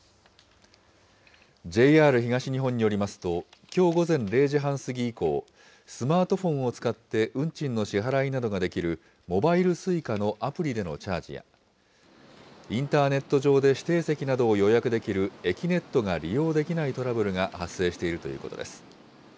ＪＲ東日本によりますと、きょう午前０時半過ぎ以降、スマートフォンを使って運賃の支払いなどができるモバイルＳｕｉｃａのアプリでのチャージや、インターネット上で指定席などを予約できるえきねっとが利用できないトラブルが発生しているということです。